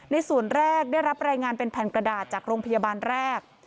ส่วนแรกได้รับรายงานเป็นแผ่นกระดาษจากโรงพยาบาลแรก